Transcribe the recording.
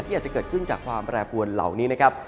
อาจจะเกิดขึ้นจากความแปรปวนเหล่านี้นะครับ